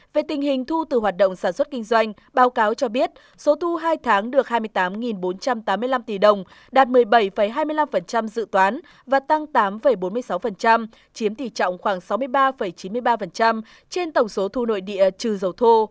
về tình hình thu từ hoạt động sản xuất kinh doanh báo cáo cho biết số thu hai tháng được hai mươi tám bốn trăm tám mươi năm tỷ đồng đạt một mươi bảy hai mươi năm dự toán và tăng tám bốn mươi sáu chiếm tỷ trọng khoảng sáu mươi ba chín mươi ba trên tổng số thu nội địa trừ dầu thô